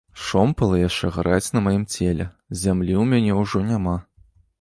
Шомпалы яшчэ гараць на маім целе, зямлі ў мяне ўжо няма.